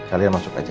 kalian masuk aja